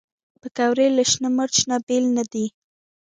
پکورې له شنه مرچ نه بېل نه دي